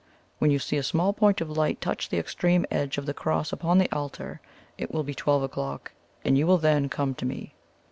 When you see a small point of light touch the extreme edge of the cross upon the altar, it will be twelve o'clock, and you will then come to me."